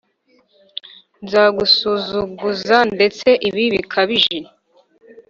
nzagusuzuguza ndetse ibi bikabije